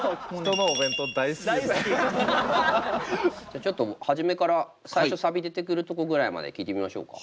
じゃあちょっと初めから最初サビ出てくるとこぐらいまで聴いてみましょうか。